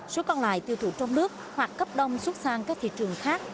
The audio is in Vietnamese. số còn lại tiêu thụ trong nước hoặc cấp đông xuất sang các thị trường khác